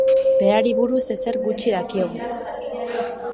Berari buruz ezer gutxi dakigu.